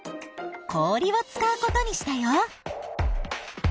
氷を使うことにしたよ。